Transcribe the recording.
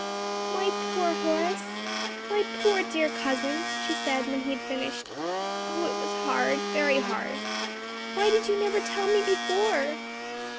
"My poor Horace! my poor, dear cousin!" she said when he had finished. "Oh, it was hard, very hard! Why did you never tell me before."